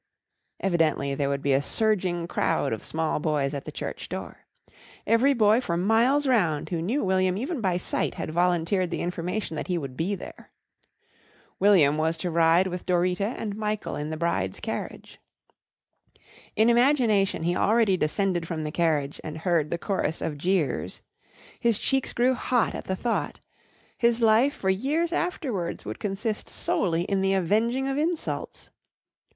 Evidently there would be a surging crowd of small boys at the church door. Every boy for miles round who knew William even by sight had volunteered the information that he would be there. William was to ride with Dorita and Michael in the bride's carriage. In imagination he already descended from the carriage and heard the chorus of jeers. His cheeks grew hot at the thought. His life for years afterwards would consist solely in the avenging of insults.